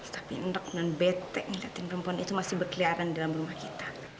tapi nek dan bete ngeliatin perempuan itu masih berkeliaran di dalam rumah kita